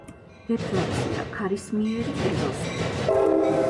დეფლაცია-ქარისმიერი ეროზია